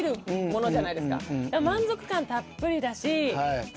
満足感たっぷりだし。